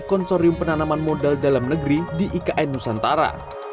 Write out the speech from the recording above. konsorium penanaman modal dalam negeri di ikn nusantara